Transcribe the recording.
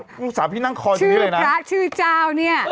ลูกสาวพี่นั่งคออยู่นี่เลยนะพระชื่อเจ้าเนี่ย